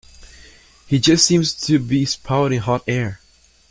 He just seems to be spouting hot air.